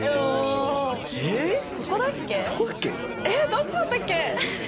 どっちだったっけ？